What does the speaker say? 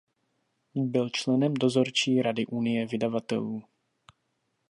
Byl členem dozorčí rady Unie vydavatelů.